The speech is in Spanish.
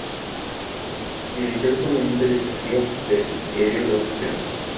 Dirigió el suplemento literario del diario La Nación.